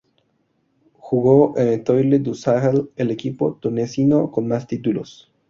Jugó en el Etoile-du-Sahel, el equipo tunecino con más títulos.